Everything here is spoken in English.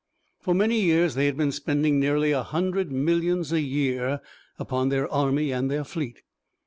For many years they had been spending nearly a hundred millions a year upon their army and their fleet.